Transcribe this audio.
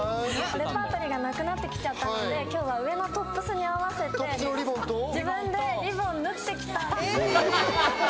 レパートリーがなくなってきちゃったので、今日は上のトップスに合わせて自分でリボンを縫ってきたんです。